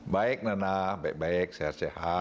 baik nana baik baik sehat sehat